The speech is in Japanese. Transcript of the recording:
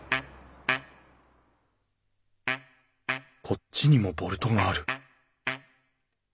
こっちにもボルトがある！